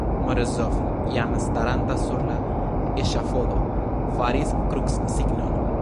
Morozov, jam staranta sur la eŝafodo, faris krucsignon.